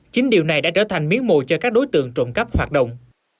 chính điều này đã trở thành miếng mùi cho các đối tượng trọng cấp hoạt động